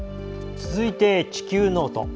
続いて「地球ノート」。